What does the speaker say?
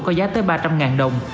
có giá tới ba trăm linh ngàn đồng